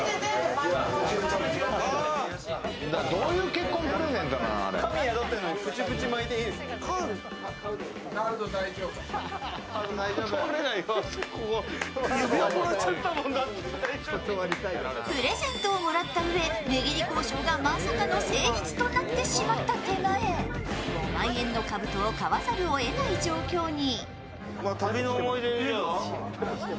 酒井さんが渋っているとプレゼントをもらったうえ、値切り交渉がまさかの成立となってしまった手前、５万円のかぶとを買わざるをえない状況に。